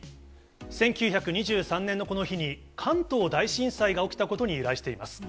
１９２３年のこの日に、関東大震災が起きたことに由来しています。